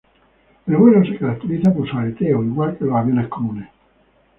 El vuelo se caracteriza por su aleteo, igual que los aviones comunes.